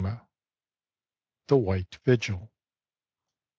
THE WHITE VIGIL.